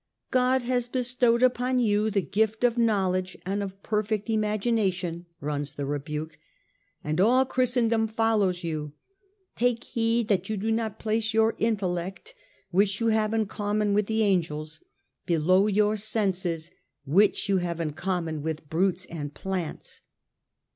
" God has bestowed upon you the gift of knowledge and of perfect imagina tion," runs the rebuke, " and all Christendom follows you. Take heed that you do not place your intellect, which you have in common with the angels, below your senses, which you have in common with brutes and plants.